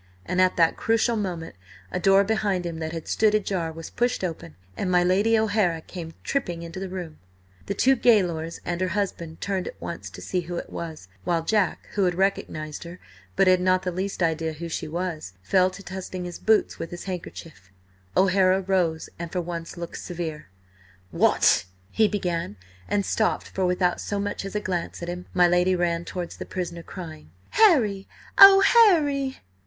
And at that crucial moment a door behind him that had stood ajar was pushed open, and my Lady O'Hara came tripping into the room. The two gaolers and her husband turned at once to see who it was, while Jack, who had recognised her, but had not the least idea who she was, fell to dusting his boots with his handkerchief. O'Hara rose, and for once looked severe. "What—" he began, and stopped, for without so much as a glance at him, my lady ran towards the prisoner, crying: "Harry! Oh, Harry!"